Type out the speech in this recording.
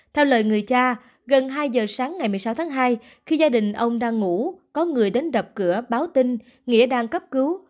theo lời người cha gần hai giờ sáng ngày một mươi sáu tháng hai khi gia đình ông đang ngủ có người đến đập cửa báo tin nghĩa đang cấp cứu